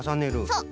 そう。